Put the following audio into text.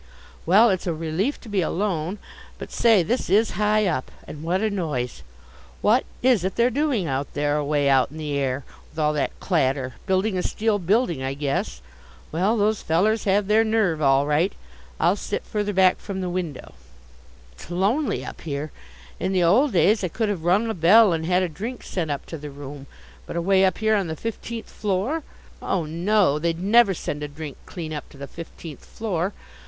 Well, it's a relief to be alone. But say, this is high up! And what a noise! What is it they're doing out there, away out in the air, with all that clatter building a steel building, I guess. Well, those fellers have their nerve, all right. I'll sit further back from the window. It's lonely up here. In the old days I could have rung a bell and had a drink sent up to the room; but away up here on the fifteenth floor! Oh, no, they'd never send a drink clean up to the fifteenth floor.